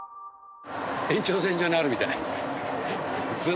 延長線上にあるみたい。